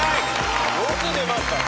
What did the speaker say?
よく出ましたね。